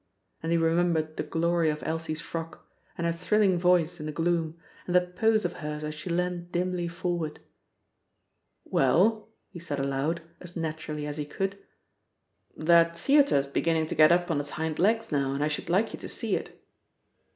And he remembered the glory of Elsie's frock, and her thrilling voice in the gloom, and that pose of hers as she leaned dimly forward.) "Well," he said aloud, as naturally as he could. "That theatre's beginning to get up on its hind legs now, and I should like you to see it."